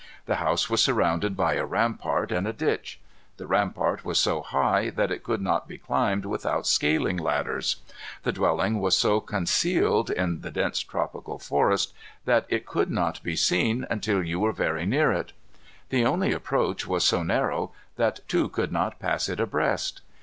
The house was surrounded by a rampart and a ditch. The rampart was so high that it could not be climbed without scaling ladders. The dwelling was so concealed, in the dense tropical forest, that it could not be seen until you were very near it. The only approach was so narrow that two could not pass it abreast.